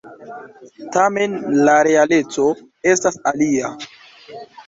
Tamen la realeco estas alia.